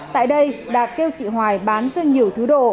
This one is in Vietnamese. tại đây đạt kêu chị hoài bán cho nhiều thứ đồ